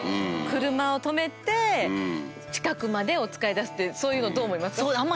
車を止めて近くまでおつかいに出すっていうそういうのどう思いますか？